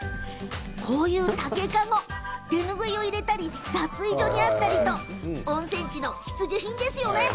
こういう竹かご手拭いを入れたり脱衣所にあったりと温泉地の必需品ですよね。